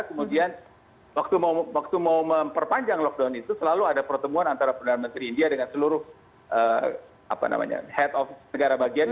kemudian waktu mau memperpanjang lockdown itu selalu ada pertemuan antara perdana menteri india dengan seluruh head of negara bagian